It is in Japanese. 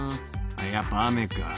「やっぱ雨か」